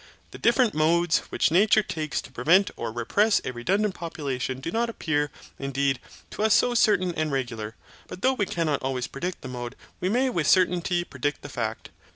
The different modes which nature takes to prevent or repress a redundant population do not appear, indeed, to us so certain and regular, but though we cannot always predict the mode we may with certainty predict the fact.